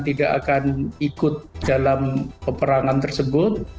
tidak akan ikut dalam peperangan tersebut